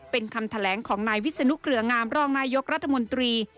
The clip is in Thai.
เป็นคำแถลงของนายวิศนุเกลืองามรองนายกรัฐมนตรี